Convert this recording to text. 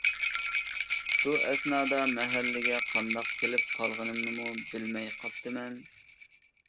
شۇ ئەسنادا مەھەللىگە قانداق كېلىپ قالغىنىمنىمۇ بىلمەي قاپتىمەن.